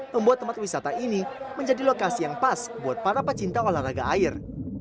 membuat tempat wisata ini menjadi lokasi yang pas buat para pecinta olahraga air